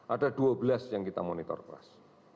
ada dua belas yang kita monitor kelas